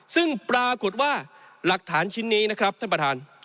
ซึ่งปรากฏว่าหลักฐานชิ้นนี้นะครับท่านประธาน